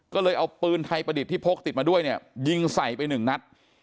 ก็เลยเอาปืนไทยประดิษฐ์ที่พกติดมาด้วยเนี่ยยิงใส่ไปหนึ่งนัด